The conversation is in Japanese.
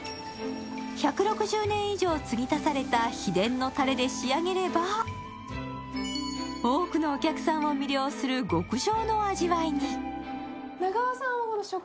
１６０年以上継ぎ足された秘伝のタレで仕上げれば多くのお客さんを魅了する極上の味わいにあ